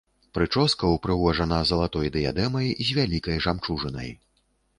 Прычоска ўпрыгожана залатой дыядэмай з вялікай жамчужынай.